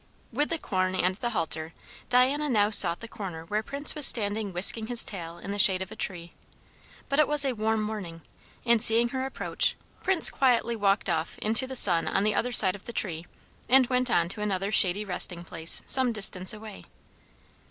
With the corn and the halter Diana now sought the corner where Prince was standing whisking his tail in the shade of a tree. But it was a warm morning; and seeing her approach, Prince quietly walked off into the sun on the other side of the tree, and went on to another shady resting place some distance away.